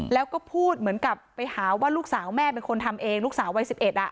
แล้วก็พูดเหมือนกับไปหาว่าลูกสาวแม่เป็นคนทำเองลูกสาววัย๑๑อ่ะ